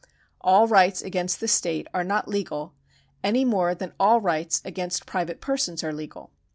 All rights against the state are not legal, any more than all rights against private persons are legal.